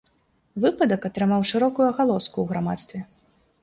Выпадак атрымаў шырокую агалоску ў грамадстве.